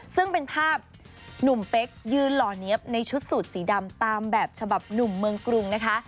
ซึ่งเป็นภาพหนุ่มเป๊กยืนหล่อเนี๊ยบในชุดสูตรสีดำตามแบบฉบับหนุ่มเมืองกรุงนะคะ